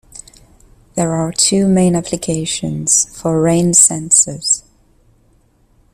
There are two main applications for rain sensors.